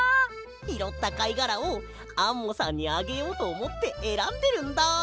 ひろったかいがらをアンモさんにあげようとおもってえらんでるんだ！